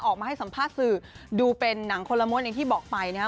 ออกมาให้สัมภาษณ์สื่อดูเป็นหนังคนละม้วนอย่างที่บอกไปนะครับ